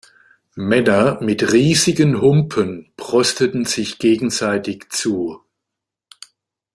Männer mit riesigen Humpen prosteten sich gegenseitig zu.